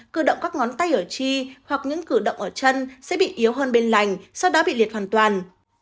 cử động các ngón tay ở chi hoặc những cử động ở chân sẽ bị yếu hơn bên lành sau đó bị liệt hoàn toàn